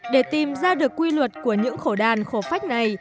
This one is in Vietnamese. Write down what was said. để tìm ra được quy luật của những khổ đàn khổ phách này